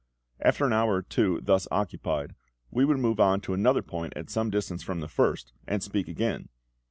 After an hour or two thus occupied, we would move on to another point at some distance from the first, and speak again.